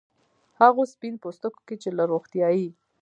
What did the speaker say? هغو سپین پوستکو کې چې له روغتیايي